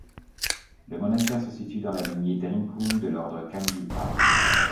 Le monastère se situe dans la lignée Drikung de l'ordre Kagyupa.